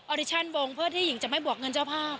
ดิชั่นวงเพื่อที่หญิงจะไม่บวกเงินเจ้าภาพ